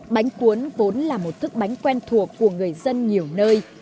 bánh cuốn vốn là một thức bánh quen thuộc của người dân nhiều nơi